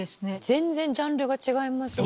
全然ジャンルが違いますね。